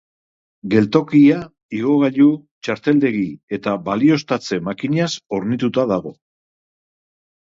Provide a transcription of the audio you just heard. Geltokia igogailu, txarteldegi eta balioztatze makinaz hornituta dago.